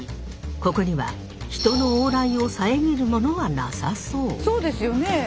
ここには人の往来を遮るものはなさそう。